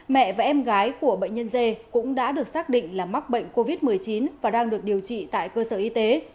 mẹ và em gái của bệnh nhân dê cũng đã được xác định là mắc bệnh covid một mươi chín và đang được điều trị tại cơ sở y tế